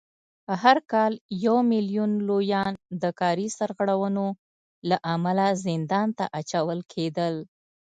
هر کال یو میلیون لویان د کاري سرغړونو له امله زندان ته اچول کېدل